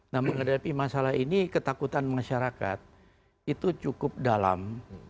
nah menghadapi masalah ini ketakutan masyarakat itu cukup dalam